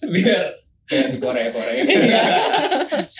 biar di korea korea